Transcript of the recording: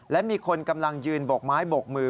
และมีคนกำลังยืนบกไม้บกมือ